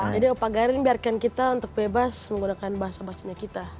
jadi opa garin biarkan kita untuk bebas menggunakan bahasa bahasanya kita